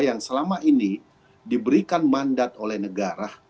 yang selama ini diberikan mandat oleh negara